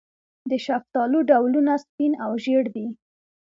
د شفتالو ډولونه سپین او ژیړ دي.